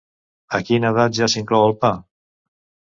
A quina edat ja s'inclou el pa?